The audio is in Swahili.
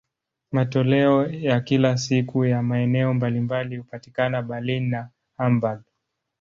Matoleo ya kila siku ya maeneo mbalimbali hupatikana Berlin na Hamburg.